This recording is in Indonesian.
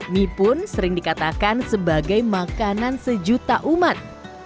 mie pun sering dikatakan sebagai makanan sejuta umat